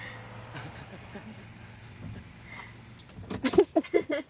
フフフフ！